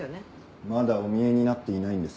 まだおみえになっていないんです。